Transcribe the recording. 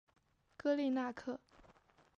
戈利纳克。